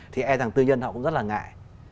thì e rằng tư nhân họ cũng rất là ngại